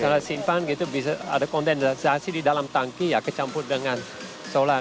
kalau simpan gitu bisa ada kondensasi di dalam tangki ya kecampur dengan solar